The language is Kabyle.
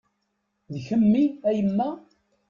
D kemmi a yemma?